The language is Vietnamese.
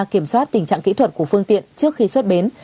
kiểm soát tình trạng kỹ thuật của phương tiện trước khi xuất bến